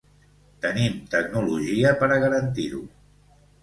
Tenim tecnologia per a garantir-ho.